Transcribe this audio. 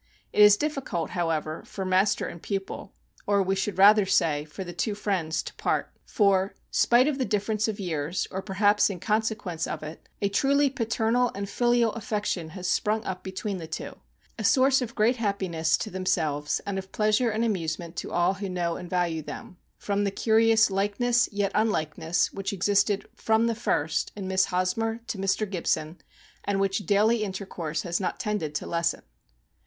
It is difficult, how ever, for master and pupil, or, we should rather say, for the two friends, to part; for, spite of the difference of years, or per haps in consequence of it, a truly paternal and filial affection has sprung up between the two вҖ" a source of great happiness to themselves, and of pleasure and amuse ment to all who know and value them, from the curious likeness, yet unlikeness, which existed from the first in Miss Hosmer to Mr. Gibson, and which daily intercourse has not tended to lessen.